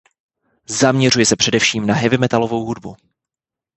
Zaměřuje se především na heavy metalovou hudbu.